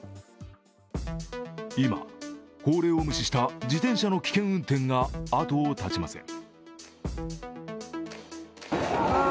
今、法令を無視した自転車の危険運転が後を絶ちません。